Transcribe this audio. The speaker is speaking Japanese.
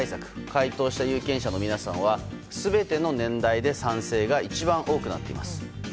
回答した有権者の皆さんは全ての年代で賛成が一番多くなっています。